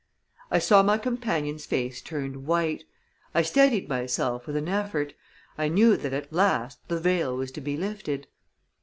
I saw my companion's face turn white I steadied myself with an effort. I knew that, at last, the veil was to be lifted.